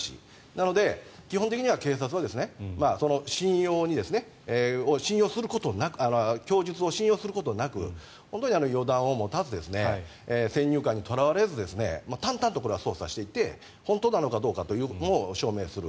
なので基本的には警察は供述を信用することなく本当に予断を持たずに先入観にとらわれず淡々と捜査していって本当かどうかを証明する。